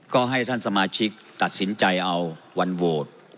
ก็ให้ท่านสมาชิกตัดสินใจเอาวันโหวต